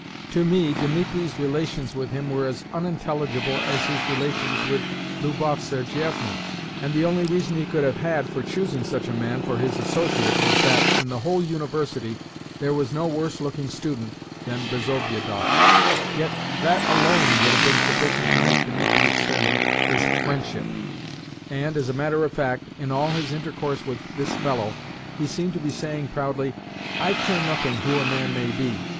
To me, Dimitri's relations with him were as unintelligible as his relations with Lubov Sergievna, and the only reason he could have had for choosing such a man for his associate was that in the whole University there was no worse looking student than Bezobiedoff. Yet that alone would have been sufficient to make Dimitri extend him his friendship, and, as a matter of fact, in all his intercourse with this fellow he seemed to be saying proudly: "I care nothing who a man may be.